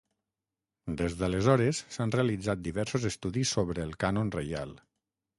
Des d'aleshores, s'han realitzat diversos estudis sobre el cànon reial.